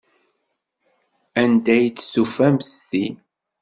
Anda ay d-tufam ti?